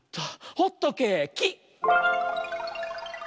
ホットケーキ！